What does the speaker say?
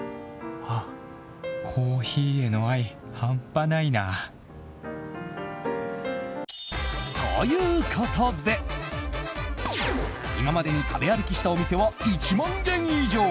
ああ、コーヒーへの愛半端ないな！ということで今までに食べ歩きしたお店は１万軒以上。